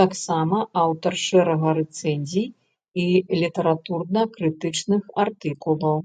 Таксама аўтар шэрага рэцэнзій і літаратурна-крытычных артыкулаў.